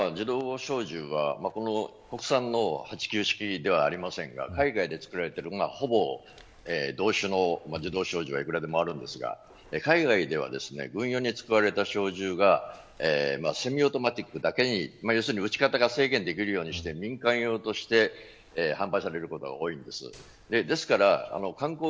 自動小銃は国産の８９式ではありませんが海外で作られているほぼ同種の自動小銃はいくらでもあるんですが海外では軍用に使われた小銃がセミオートマティックだけに撃ち方が制限できるようにして民間用として販売されることが多いんです。